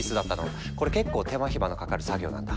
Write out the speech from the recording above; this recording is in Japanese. これ結構手間暇のかかる作業なんだ。